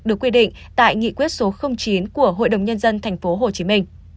được quy định tại nghị quyết số chín của hội đồng nhân dân tp hcm